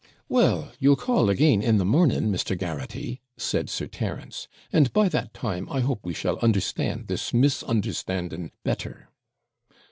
'Well, you'll call again in the morning, Mr. Garraghty!' said Sir Terence; 'and, by that time, I hope we shall understand this misunderstanding better.'